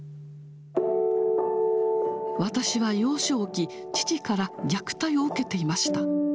私は幼少期、父から虐待を受けていました。